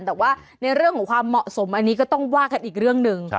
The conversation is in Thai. แต่ว่าในเรื่องของความเหมาะสมอันนี้ก็ต้องว่ากันอีกเรื่องหนึ่ง